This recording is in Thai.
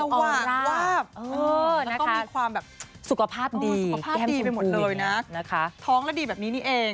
สะวาดวาบแล้วก็มีความแบบสุขภาพดีแค่แม่งสุขภูมินะคะท้องแล้วดีแบบนี้นี่เอง